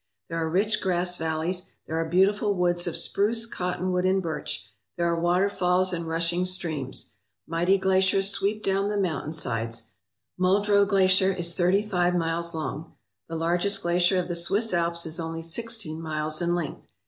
There are rich grass valleys; there are beautiful woods of spruce, cottonwood, and birch; there are waterfalls and rushing streams. Mighty glaciers sweep down the mountain sides. Muldrow Glacier is thirty five miles long. The largest glacier of the Swiss Alps is only sixteen miles in length.